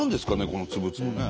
この粒々ね。